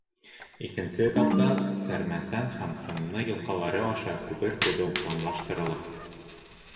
Икенсе этапта Сәрмәсән һәм Һынны йылғалары аша күпер төҙөү планлаштырыла.